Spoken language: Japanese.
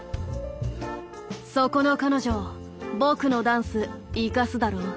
「そこの彼女僕のダンスいかすだろ」。